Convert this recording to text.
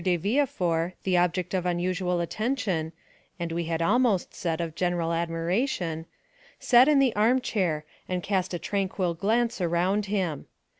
de Villefort, the object of unusual attention, and we had almost said of general admiration, sat in the armchair and cast a tranquil glance around him.